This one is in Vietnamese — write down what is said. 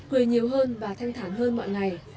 cười nhiều hơn và thanh thản hơn mọi ngày